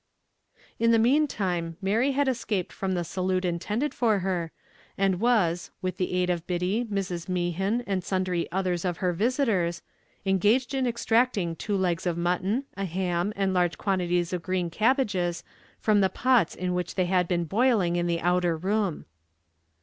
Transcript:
In the meantime Mary had escaped from the salute intended for her, and was, with the aid of Biddy, Mrs. Mehan, and sundry others of her visitors, engaged in extricating two legs of mutton, a ham, and large quantities of green cabbages from the pots in which they had been boiling in the outer room.